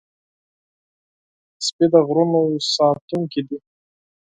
سپي د غرونو ساتونکي دي.